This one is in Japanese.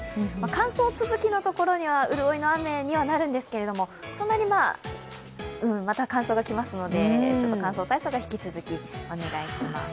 乾燥続きのところには潤いの雨にはなるんですが、そんなに、また乾燥が来ますので乾燥対策は引き続きお願いします。